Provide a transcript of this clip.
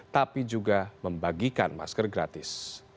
tapi juga membagikan masker gratis